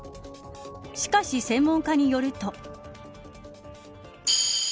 しかし専門家によると。